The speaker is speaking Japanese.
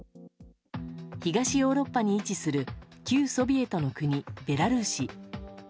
東ヨーロッパに位置する旧ソビエトの国、ベラルーシ。